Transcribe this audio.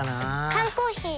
缶コーヒー